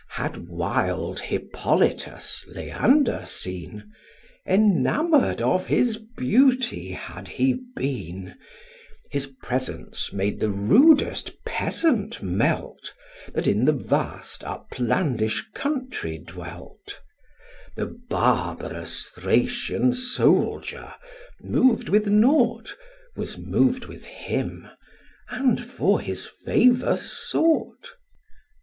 Had wild Hippolytus Leander seen, Enamour'd of his beauty had he been: His presence made the rudest peasant melt, That in the vast uplandish country dwelt; The barbarous Thracian soldier, mov'd with nought, Was mov'd with him, and for his favour sought.